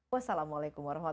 wassalamualaikum wr wb